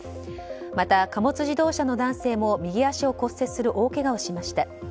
また、貨物自動車の男性も右足を骨折する大けがをしました。